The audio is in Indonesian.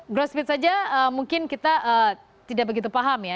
growth split saja mungkin kita tidak begitu paham ya